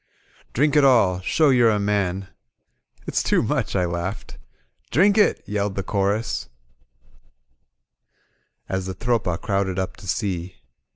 *^Drink it alL Show you're a man." It'8 too much," I laughed. "Drink it," yelled the chorus as the Tropa crowded up to see.